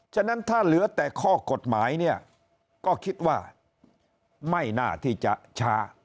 ฉะนั้นถ้าเหลือแต่ข้อกฎหมายเนี่ยก็คิดว่าไม่น่าที่จะช้า